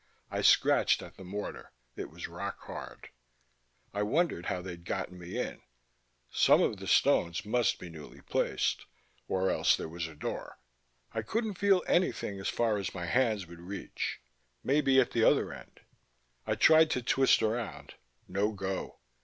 I scratched at the mortar; it was rock hard. I wondered how they'd gotten me in. Some of the stones must be newly placed ... or else there was a door. I couldn't feel anything as far as my hands would reach. Maybe at the other end.... I tried to twist around: no go.